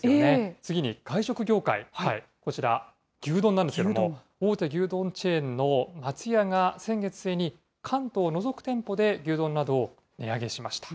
次に外食業界、こちら牛丼なんですけれども、大手牛丼チェーンの松屋が先月末に、関東を除く店舗で牛丼などを値上げしました。